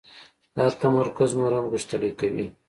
دا تمرکز نور هم غښتلی کوي.